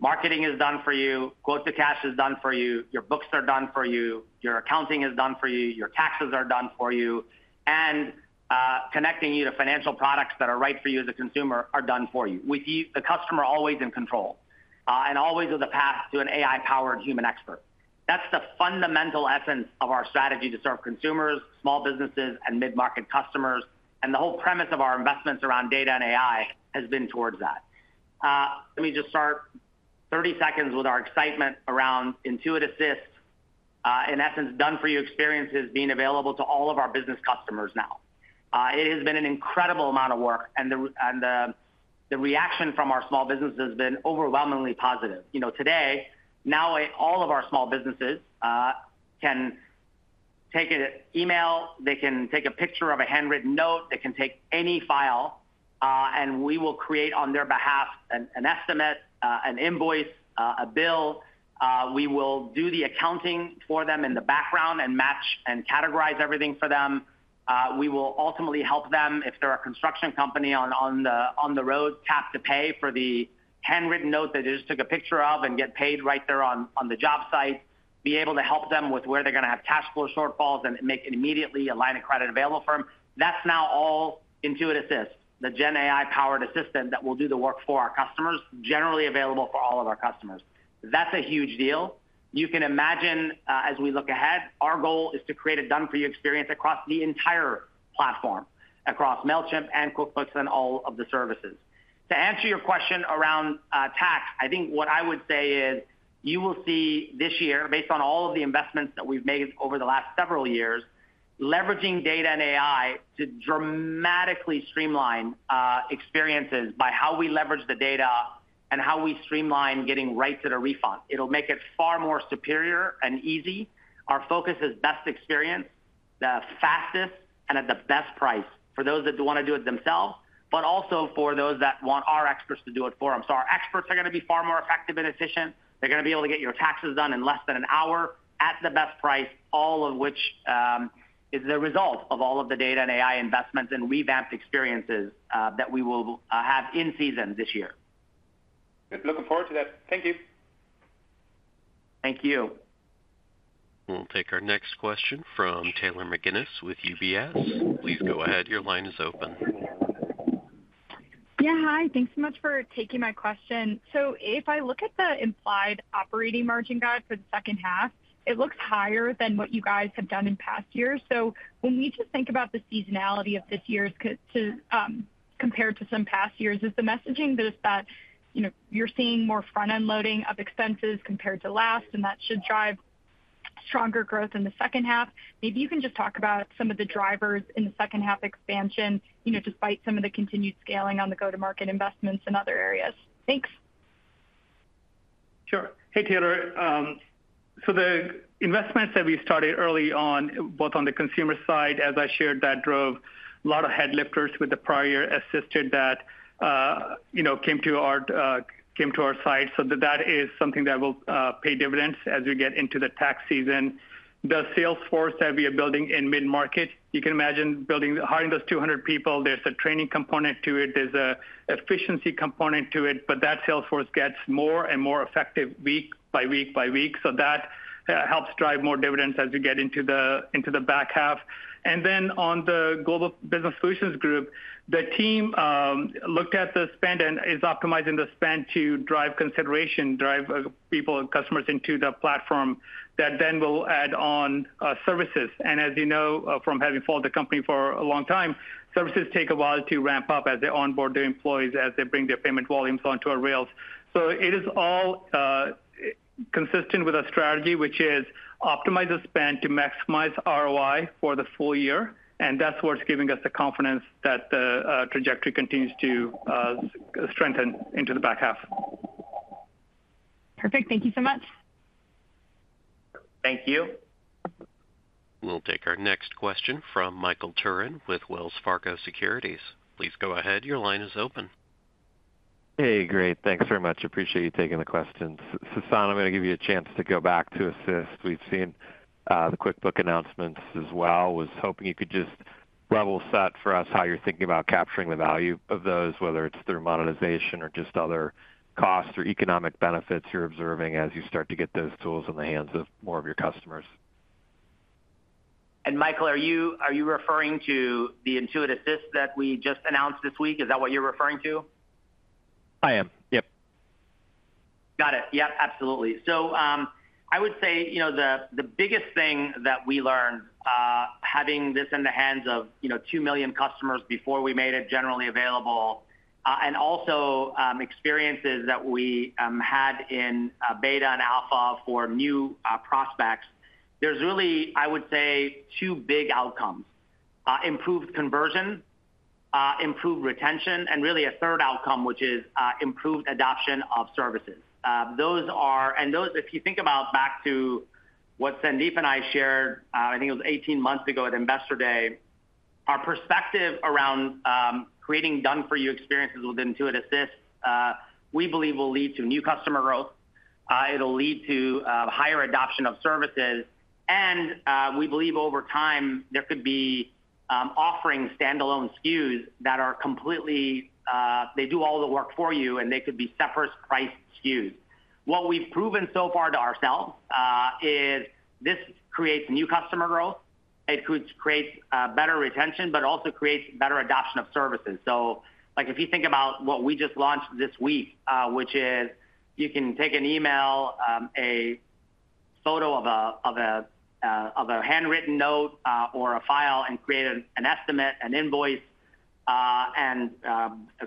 Marketing is done for you. Quote to cash is done for you. Your books are done for you. Your accounting is done for you. Your taxes are done for you. And connecting you to financial products that are right for you as a consumer are done for you with the customer always in control and always with a path to an AI-powered human expert. That's the fundamental essence of our strategy to serve consumers, small businesses, and mid-market customers. And the whole premise of our investments around data and AI has been towards that. Let me just start 30 seconds with our excitement around Intuit Assist, in essence, done-for-you experiences being available to all of our business customers now. It has been an incredible amount of work, and the reaction from our small businesses has been overwhelmingly positive. Today, now all of our small businesses can take an email. They can take a picture of a handwritten note. They can take any file, and we will create on their behalf an estimate, an invoice, a bill. We will do the accounting for them in the background and match and categorize everything for them. We will ultimately help them if they're a construction company on the road, tap to pay for the handwritten note that they just took a picture of and get paid right there on the job site, be able to help them with where they're going to have cash flow shortfalls and make immediately a line of credit available for them. That's now all Intuit Assist, the GenAI-powered assistant that will do the work for our customers, generally available for all of our customers. That's a huge deal. You can imagine as we look ahead, our goal is to create a done-for-you experience across the entire platform, across Mailchimp and QuickBooks and all of the services. To answer your question around tax, I think what I would say is you will see this year, based on all of the investments that we've made over the last several years, leveraging data and AI to dramatically streamline experiences by how we leverage the data and how we streamline getting right to the refund. It'll make it far more superior and easy. Our focus is best experience, the fastest, and at the best price for those that want to do it themselves, but also for those that want our experts to do it for them. So our experts are going to be far more effective and efficient. They're going to be able to get your taxes done in less than an hour at the best price, all of which is the result of all of the data and AI investments and revamped experiences that we will have in season this year. Looking forward to that. Thank you. Thank you. We'll take our next question from Taylor McGinnis with UBS. Please go ahead. Your line is open. Yeah. Hi. Thanks so much for taking my question. So if I look at the implied operating margin guide for the second half, it looks higher than what you guys have done in past years. So when we just think about the seasonality of this year compared to some past years, is the messaging that you're seeing more front-end loading of expenses compared to last, and that should drive stronger growth in the second half? Maybe you can just talk about some of the drivers in the second half expansion despite some of the continued scaling on the go-to-market investments in other areas. Thanks. Sure. Hey, Taylor. So the investments that we started early on, both on the consumer side, as I shared, that drove a lot of head start with the prior assisted that came to our site. So that is something that will pay dividends as we get into the tax season. The sales force that we are building in mid-market, you can imagine hiring those 200 people. There's a training component to it. There's an efficiency component to it, but that sales force gets more and more effective week by week by week. So that helps drive more dividends as we get into the back half. And then on the Global Business Solutions Group, the team looked at the spend and is optimizing the spend to drive consideration, drive people, customers into the platform that then will add on services. As you know from having followed the company for a long time, services take a while to ramp up as they onboard their employees, as they bring their payment volumes onto our rails. It is all consistent with our strategy, which is optimize the spend to maximize ROI for the full year. That's what's giving us the confidence that the trajectory continues to strengthen into the back half. Perfect. Thank you so much. Thank you. We'll take our next question from Michael Turrin with Wells Fargo Securities. Please go ahead. Your line is open. Hey, great. Thanks very much. Appreciate you taking the questions. Sasan, I'm going to give you a chance to go back to Assist. We've seen the QuickBooks announcements as well. I was hoping you could just level set for us how you're thinking about capturing the value of those, whether it's through monetization or just other costs or economic benefits you're observing as you start to get those tools in the hands of more of your customers. Michael, are you referring to the Intuit Assist that we just announced this week? Is that what you're referring to? I am. Yep. Got it. Yep. Absolutely. I would say the biggest thing that we learned having this in the hands of two million customers before we made it generally available and also experiences that we had in beta and alpha for new prospects. There's really, I would say, two big outcomes: improved conversion, improved retention, and really a third outcome, which is improved adoption of services. If you think about back to what Sandeep and I shared, I think it was 18 months ago at Investor Day, our perspective around creating done-for-you experiences with Intuit Assist, we believe will lead to new customer growth. It'll lead to higher adoption of services. We believe over time there could be offering standalone SKUs that are completely they do all the work for you, and they could be separate priced SKUs. What we've proven so far to ourselves is this creates new customer growth. It creates better retention, but also creates better adoption of services. So if you think about what we just launched this week, which is you can take an email, a photo of a handwritten note, or a file and create an estimate, an invoice, and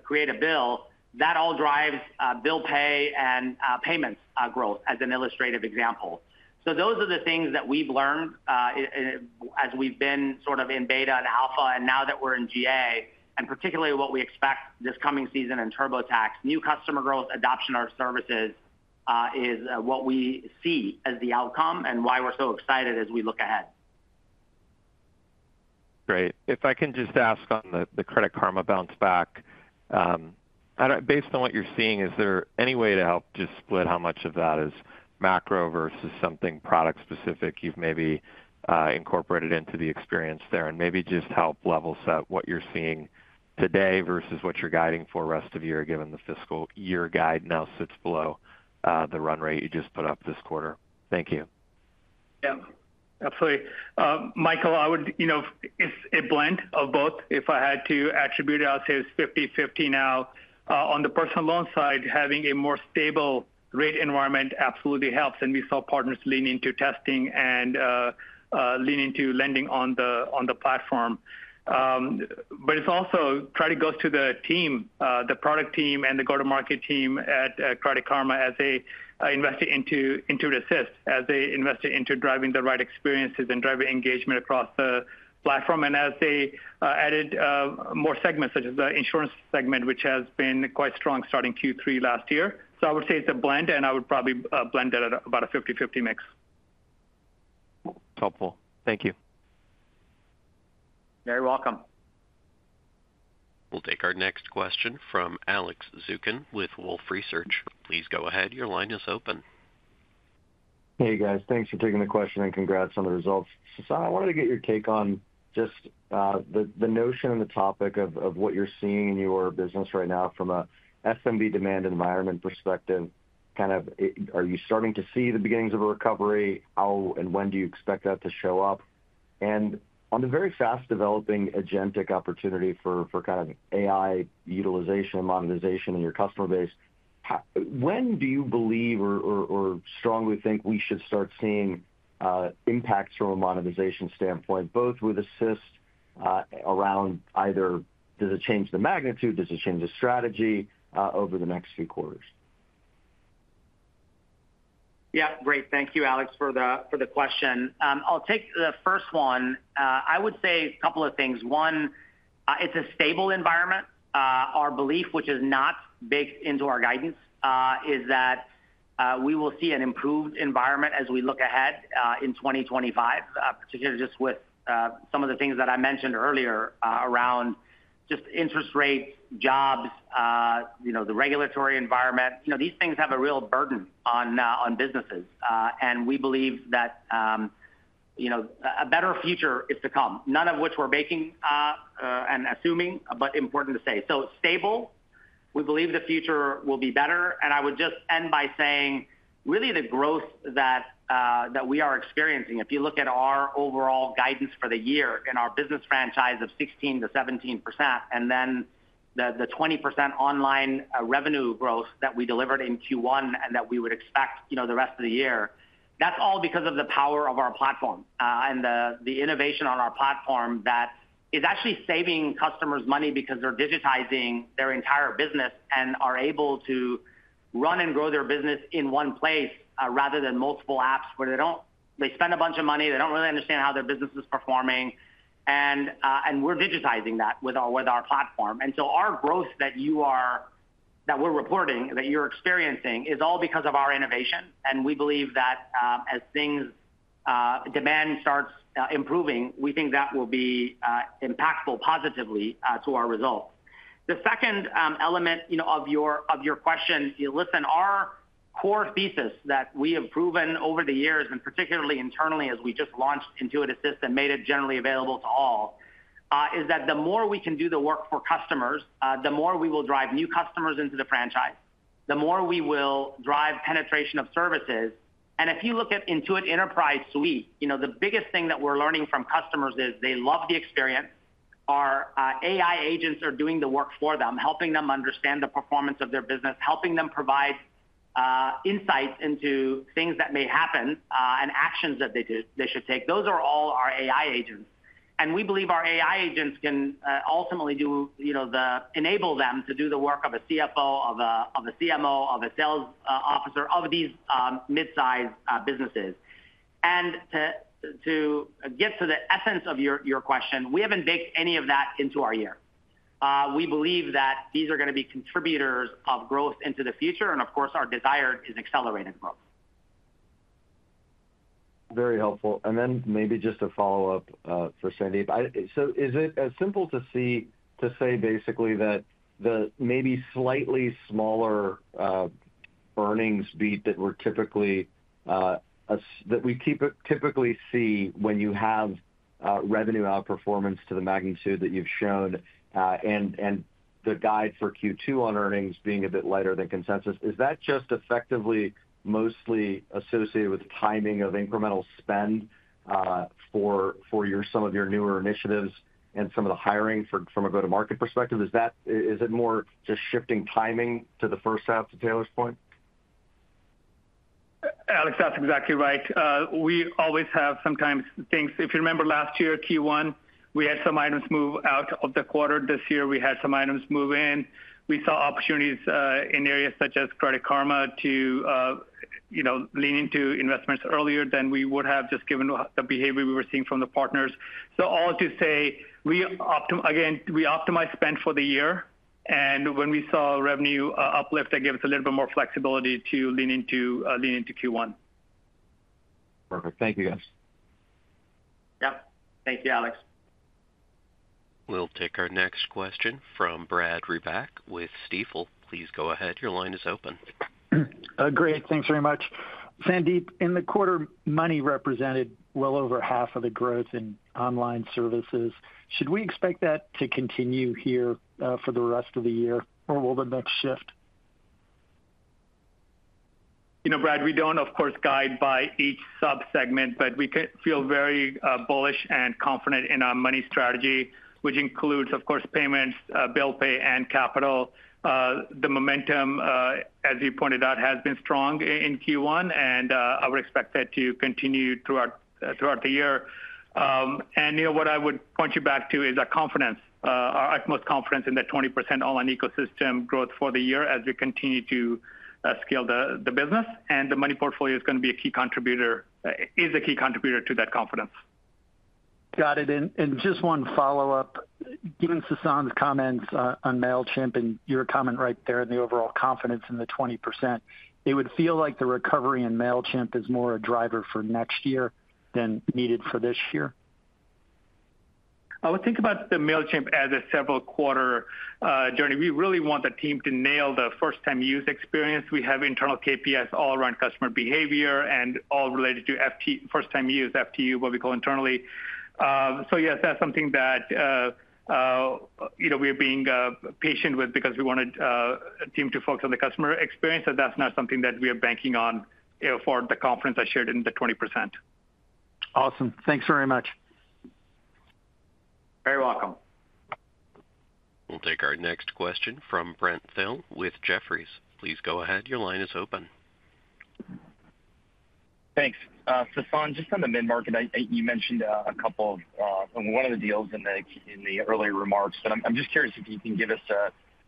create a bill, that all drives bill pay and payments growth as an illustrative example. So those are the things that we've learned as we've been sort of in beta and alpha, and now that we're in GA, and particularly what we expect this coming season in TurboTax, new customer growth, adoption of our services is what we see as the outcome and why we're so excited as we look ahead. Great. If I can just ask on the Credit Karma bounce back, based on what you're seeing, is there any way to help just split how much of that is macro versus something product-specific you've maybe incorporated into the experience there and maybe just help level set what you're seeing today versus what you're guiding for rest of year given the fiscal year guide now sits below the run rate you just put up this quarter? Thank you. Yeah. Absolutely. Michael, I would it's a blend of both. If I had to attribute it, I'll say it's 50/50 now. On the personal loan side, having a more stable rate environment absolutely helps. And we saw partners lean into testing and lean into lending on the platform. But it's also trying to go to the team, the product team, and the go-to-market team at Credit Karma as they invested into Intuit Assist, as they invested into driving the right experiences and driving engagement across the platform, and as they added more segments such as the insurance segment, which has been quite strong starting Q3 last year. So I would say it's a blend, and I would probably blend it at about a 50/50 mix. Helpful. Thank you. Very welcome. We'll take our next question from Alex Zukin with Wolfe Research. Please go ahead. Your line is open. Hey, guys. Thanks for taking the question and congrats on the results. Sasan, I wanted to get your take on just the notion and the topic of what you're seeing in your business right now from an SMB demand environment perspective. Kind of are you starting to see the beginnings of a recovery? How and when do you expect that to show up? And on the very fast developing agentic opportunity for kind of AI utilization and monetization in your customer base, when do you believe or strongly think we should start seeing impacts from a monetization standpoint, both with Assist around either does it change the magnitude, does it change the strategy over the next few quarters? Yeah. Great. Thank you, Alex, for the question. I'll take the first one. I would say a couple of things. One, it's a stable environment. Our belief, which is not baked into our guidance, is that we will see an improved environment as we look ahead in 2025, particularly just with some of the things that I mentioned earlier around just interest rates, jobs, the regulatory environment. These things have a real burden on businesses. And we believe that a better future is to come, none of which we're baking and assuming, but important to say. So stable, we believe the future will be better. I would just end by saying really the growth that we are experiencing. If you look at our overall guidance for the year in our business franchise of 16%-17%, and then the 20% online revenue growth that we delivered in Q1 and that we would expect the rest of the year, that's all because of the power of our platform and the innovation on our platform that is actually saving customers money because they're digitizing their entire business and are able to run and grow their business in one place rather than multiple apps where they spend a bunch of money. They don't really understand how their business is performing. And we're digitizing that with our platform. And so our growth that we're reporting, that you're experiencing, is all because of our innovation. We believe that as demand starts improving, we think that will be impactful positively to our results. The second element of your question, listen, our core thesis that we have proven over the years and particularly internally as we just launched Intuit Assist and made it generally available to all is that the more we can do the work for customers, the more we will drive new customers into the franchise, the more we will drive penetration of services. If you look at Intuit Enterprise Suite, the biggest thing that we're learning from customers is they love the experience. Our AI agents are doing the work for them, helping them understand the performance of their business, helping them provide insights into things that may happen and actions that they should take. Those are all our AI agents. We believe our AI agents can ultimately enable them to do the work of a CFO, of a CMO, of a sales officer of these mid-sized businesses. To get to the essence of your question, we haven't baked any of that into our year. We believe that these are going to be contributors of growth into the future. Of course, our desire is accelerated growth. Very helpful. And then maybe just a follow-up for Sandeep. So is it as simple to say basically that the maybe slightly smaller earnings beat that we typically see when you have revenue outperformance to the magnitude that you've shown and the guide for Q2 on earnings being a bit lighter than consensus? Is that just effectively mostly associated with timing of incremental spend for some of your newer initiatives and some of the hiring from a go-to-market perspective? Is it more just shifting timing to the first half, to Taylor's point? Alex, that's exactly right. We always have sometimes things. If you remember last year, Q1, we had some items move out of the quarter. This year, we had some items move in. We saw opportunities in areas such as Credit Karma to lean into investments earlier than we would have just given the behavior we were seeing from the partners. So all to say, again, we optimize spend for the year. And when we saw revenue uplift, that gave us a little bit more flexibility to lean into Q1. Perfect. Thank you, guys. Yep. Thank you, Alex. We'll take our next question from Brad Reback with Stifel. Please go ahead. Your line is open. Great. Thanks very much. Sandeep, in the quarter, money represented well over half of the growth in online services. Should we expect that to continue here for the rest of the year, or will the mix shift? You know, Brad, we don't, of course, guide by each subsegment, but we feel very bullish and confident in our money strategy, which includes, of course, payments, bill pay, and capital. The momentum, as you pointed out, has been strong in Q1, and I would expect that to continue throughout the year. What I would point you back to is our confidence, our utmost confidence in the 20% online ecosystem growth for the year as we continue to scale the business. The money portfolio is going to be a key contributor, is a key contributor to that confidence. Got it. And just one follow-up. Given Sasan's comments on Mailchimp and your comment right there in the overall confidence in the 20%, it would feel like the recovery in Mailchimp is more a driver for next year than needed for this year? I would think about the Mailchimp as a several-quarter journey. We really want the team to nail the first-time-use experience. We have internal KPIs all around customer behavior and all related to first-time-use FTU, what we call internally. So yes, that's something that we are being patient with because we wanted a team to focus on the customer experience. And that's not something that we are banking on for the confidence I shared in the 20%. Awesome. Thanks very much. Very welcome. We'll take our next question from Brent Thill with Jefferies. Please go ahead. Your line is open. Thanks. Sasan, just on the mid-market, you mentioned a couple of one of the deals in the earlier remarks. But I'm just curious if you can give us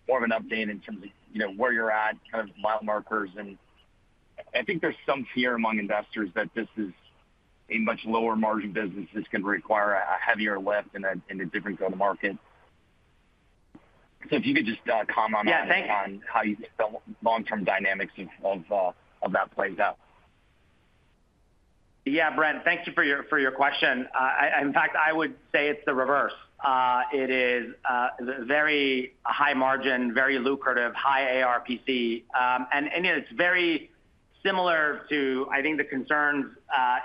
more of an update in terms of where you're at, kind of mile markers. I think there's some fear among investors that this is a much lower-margin business that's going to require a heavier lift in a different go-to-market. If you could just comment on how you think the long-term dynamics of that plays out. Yeah, Brent, thank you for your question. In fact, I would say it's the reverse. It is very high margin, very lucrative, high ARPC. And it's very similar to, I think, the concerns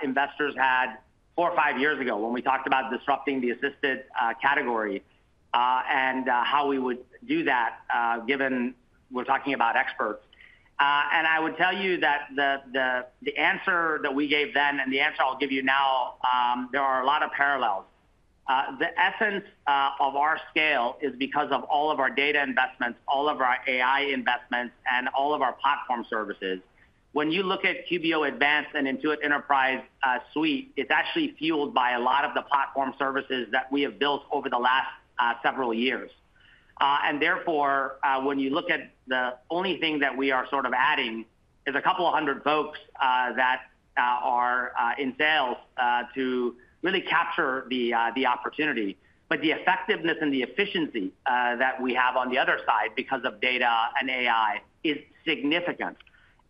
investors had four or five years ago when we talked about disrupting the assisted category and how we would do that given we're talking about experts. And I would tell you that the answer that we gave then and the answer I'll give you now, there are a lot of parallels. The essence of our scale is because of all of our data investments, all of our AI investments, and all of our platform services. When you look at QBO Advanced and Intuit Enterprise Suite, it's actually fueled by a lot of the platform services that we have built over the last several years. And therefore, when you look at the only thing that we are sort of adding is a couple of hundred folks that are in sales to really capture the opportunity. But the effectiveness and the efficiency that we have on the other side because of data and AI is significant.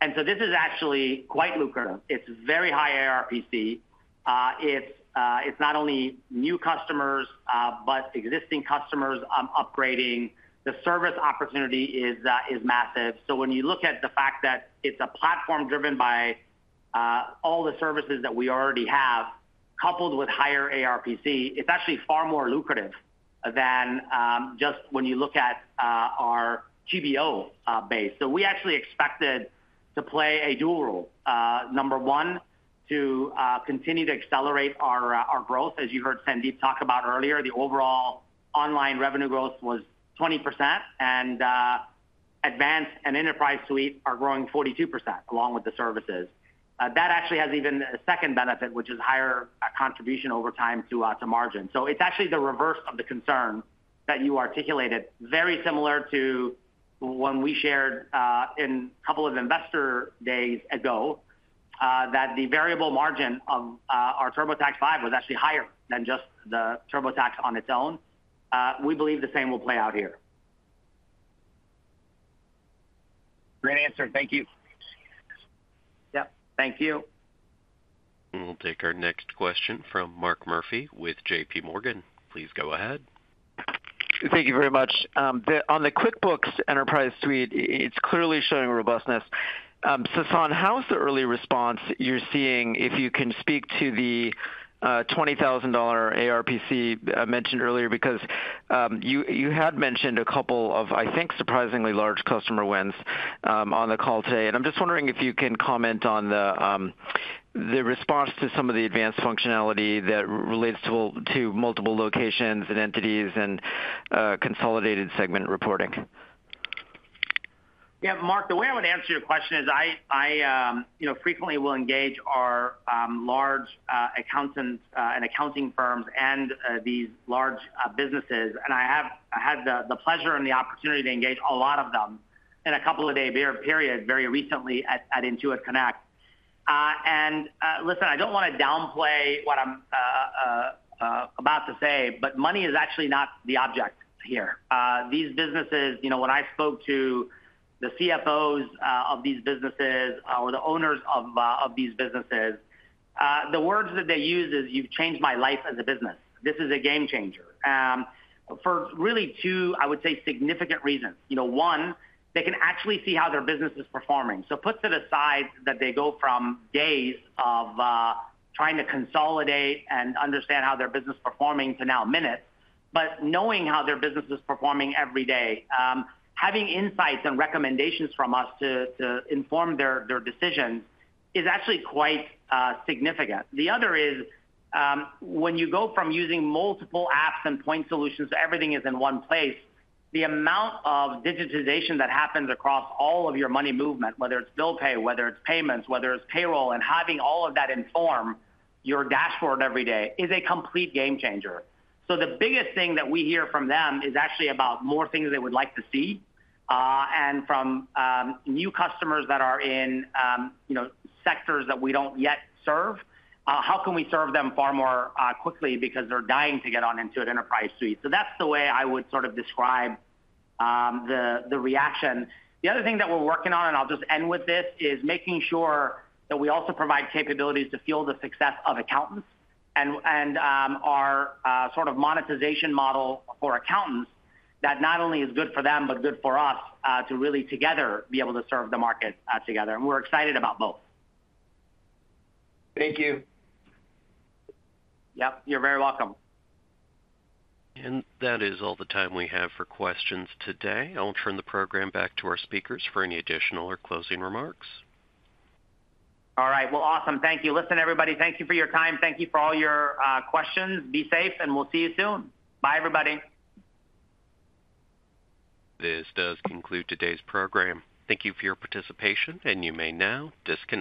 And so this is actually quite lucrative. It's very high ARPC. It's not only new customers, but existing customers upgrading. The service opportunity is massive. So when you look at the fact that it's a platform driven by all the services that we already have coupled with higher ARPC, it's actually far more lucrative than just when you look at our QBO base. So we actually expected to play a dual role. Number one, to continue to accelerate our growth. As you heard Sandeep talk about earlier, the overall online revenue growth was 20%. Advanced and Enterprise Suite are growing 42% along with the services. That actually has even a second benefit, which is higher contribution over time to margin. So it's actually the reverse of the concern that you articulated, very similar to when we shared in a couple of investor days ago that the variable margin of our TurboTax Live was actually higher than just the TurboTax on its own. We believe the same will play out here. Great answer. Thank you. Yep. Thank you. We'll take our next question from Mark Murphy with JPMorgan. Please go ahead. Thank you very much. On the Intuit Enterprise Suite, it's clearly showing robustness. Sasan, how is the early response you're seeing if you can speak to the $20,000 ARPC mentioned earlier? Because you had mentioned a couple of, I think, surprisingly large customer wins on the call today. And I'm just wondering if you can comment on the response to some of the advanced functionality that relates to multiple locations and entities and consolidated segment reporting. Yeah. Mark, the way I would answer your question is I frequently will engage our large accountants and accounting firms and these large businesses. And I had the pleasure and the opportunity to engage a lot of them in a couple of day period very recently at Intuit Connect. And listen, I don't want to downplay what I'm about to say, but money is actually not the object here. These businesses, when I spoke to the CFOs of these businesses or the owners of these businesses, the words that they use is, "You've changed my life as a business. This is a game changer." For really two, I would say, significant reasons. One, they can actually see how their business is performing. So put to the side that they go from days of trying to consolidate and understand how their business is performing to now minutes, but knowing how their business is performing every day, having insights and recommendations from us to inform their decisions is actually quite significant. The other is when you go from using multiple apps and point solutions to everything is in one place, the amount of digitization that happens across all of your money movement, whether it's bill pay, whether it's payments, whether it's payroll, and having all of that inform your dashboard every day is a complete game changer. So the biggest thing that we hear from them is actually about more things they would like to see and from new customers that are in sectors that we don't yet serve. How can we serve them far more quickly because they're dying to get on Intuit Enterprise Suite? So that's the way I would sort of describe the reaction. The other thing that we're working on, and I'll just end with this, is making sure that we also provide capabilities to fuel the success of accountants and our sort of monetization model for accountants that not only is good for them, but good for us to really together be able to serve the market together. And we're excited about both. Thank you. Yep. You're very welcome. That is all the time we have for questions today. I'll turn the program back to our speakers for any additional or closing remarks. All right. Well, awesome. Thank you. Listen, everybody, thank you for your time. Thank you for all your questions. Be safe, and we'll see you soon. Bye, everybody. This does conclude today's program. Thank you for your participation, and you may now disconnect.